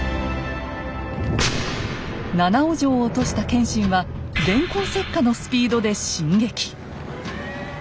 七尾城を落とした謙信は電光石火のスピードで進撃。